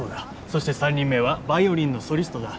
そして３人目はバイオリンのソリストだ。